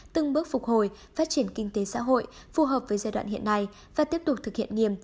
từng bước phục hồi phát triển kinh tế xã hội phù hợp với giai đoạn hiện nay và tiếp tục thực hiện nghiêm